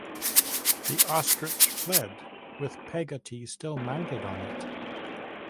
The ostrich fled with Peggotty still mounted on it.